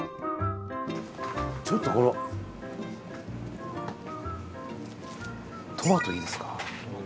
ちょっとこのトマトいいですか？